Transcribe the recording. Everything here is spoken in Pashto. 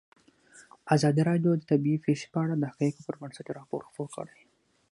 ازادي راډیو د طبیعي پېښې په اړه د حقایقو پر بنسټ راپور خپور کړی.